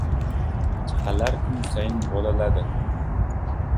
Chaqalar kun sayin bolaladi.